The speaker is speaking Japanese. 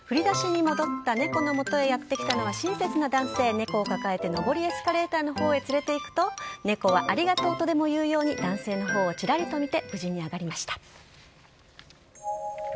ふりだしに戻った猫のもとへやって来たのは、親切な男性、ネコを抱えて上りエスカレーターのほうへ連れていくと、ネコはありがとうとでも言うように、男性のほうをちらりと見て無事に上がりました。